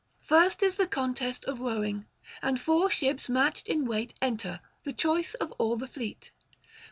First is the contest of rowing, and four ships matched in weight enter, the choice of all the fleet.